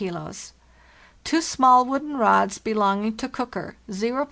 3 Two small wooden rods belonging to cooker oO 14 0.